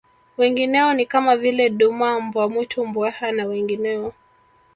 Wengineo ni kama vile duma mbwa mwitu mbweha na wengineo